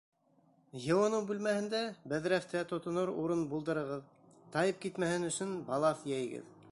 Йыуыныу бүлмәһендә, бәҙрәфтә тотонор урын булдырығыҙ, тайып китмәһен өсөн балаҫ йәйегеҙ.